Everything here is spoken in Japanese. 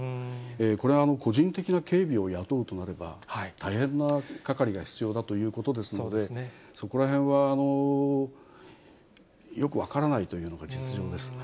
これは個人的な警備を雇うとなれば、大変な係が必要だということで、そこらへんはよく分からないとい